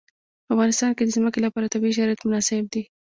په افغانستان کې د ځمکه لپاره طبیعي شرایط مناسب دي.